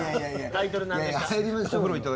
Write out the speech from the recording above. タイトル何でした？